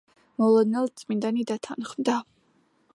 მოულოდნელად წმინდანი დათანხმდა.